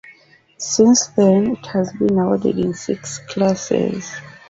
Since then, it has been awarded in six classes.